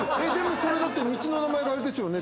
これ道の名前があれですよね。